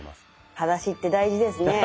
はだしって大事ですね。